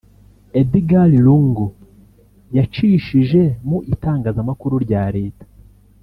Edgar Lungu yacishije mu itangazamakuru rya Leta